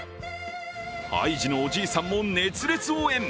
ハイジのおじいさんも熱烈応援。